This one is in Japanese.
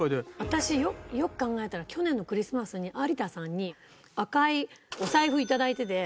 私よく考えたら去年のクリスマスに有田さんに赤いお財布頂いてて。